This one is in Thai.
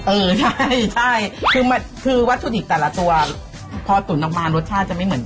เออใช่ใช่คือวัตถุดิบแต่ละตัวพอตุ๋นออกมารสชาติจะไม่เหมือน